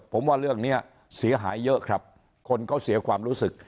ผมว่าเรื่องนี้เสียหายเยอะครับคนเขาเสียความรู้สึก